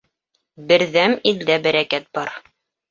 Берҙәм илдә бәрәкәт бар